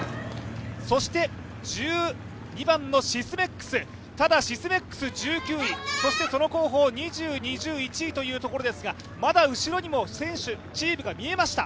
そして１２番のシスメックス、ただシスメックス１９位、そしてその後方２０、２１位というところですがまだ後ろにも選手、チームが見えました。